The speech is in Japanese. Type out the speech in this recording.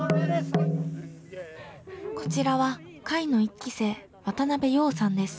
こちらは会の１期生渡辺陽さんです。